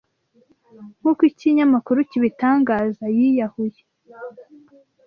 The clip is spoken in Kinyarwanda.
Nk’uko ikinyamakuru kibitangaza, yiyahuye.